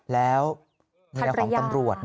แล้ว